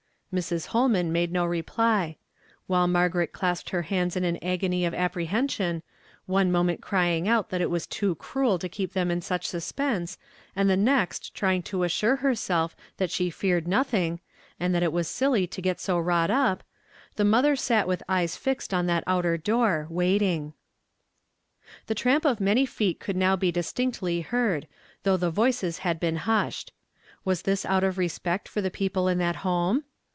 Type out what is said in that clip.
Mrs. Holman made no reply. While Margaret clasped her hands in an agony of apprehension, one moment crying out that it was too cruel to keep them in such suspense, and the next tryino to assure herself that she feared nothing, and tlmt it was silly to get so wrought up, the mother sat Witn eyes fixed on that outer door, waiting, Ml 86 YESTERDAY FRAMED IN TO DAY. in 5 * The tramp of many feet could now be distinctly heard, though the voices had been hushed. Was tliis out of respect for the peoi)le in that home